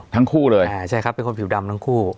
ทั้งคู่เลยใช่ครับเป็นคนผิวดำทั้งคู่